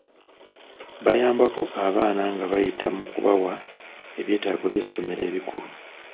Bayambako abaana nga bayita mu kubawa ebyetaago by'essomero ebikulu.